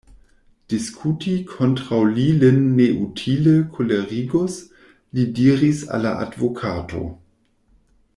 Diskuti kontraŭ li lin neutile kolerigus, li diris al la advokato.